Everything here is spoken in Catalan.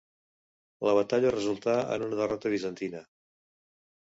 La batalla resultà en una derrota bizantina.